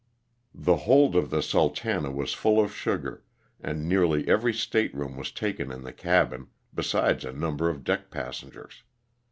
The hold of the ''Sultana" was full of sugar, and nearly every state room was taken in the cabin, besides a number of deck passengers.